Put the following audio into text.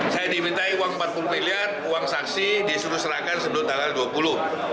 saya dimintai uang rp empat puluh miliar uang saksi disuruh serahkan sebelum tanggal dua puluh